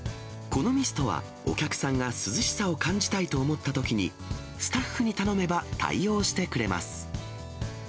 このミストは、お客さんが涼しさを感じたいと思ったときに、スタッフに頼めば対応してくれます。